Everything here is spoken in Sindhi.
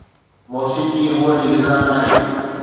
موسيقي روح جي غذا ناهي